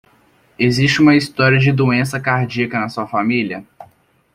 Existe uma história de doença cardíaca na sua família?